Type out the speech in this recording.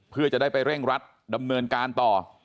เพื่อจะได้ไปเร่งรัดดำเนินการต่อ